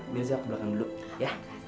mirza aku belakang dulu ya